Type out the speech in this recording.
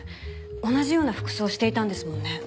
同じような服装をしていたんですもんね。